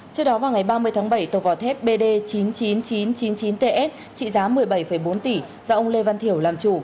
trước đó vào ngày ba mươi tháng bảy tàu vỏ thép bd chín mươi chín nghìn chín trăm chín mươi chín ts trị giá một mươi bảy bốn tỷ do ông lê văn thiểu làm chủ